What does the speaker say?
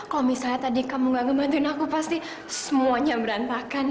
kalau misalnya tadi kamu gak ngebantuin aku pasti semuanya berantakan